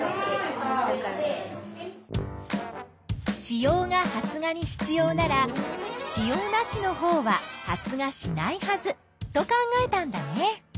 子葉が発芽に必要なら子葉なしのほうは発芽しないはずと考えたんだね。